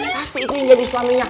pasti itu yang jadi suaminya